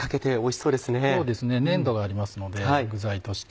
そうですね粘度がありますので具材として。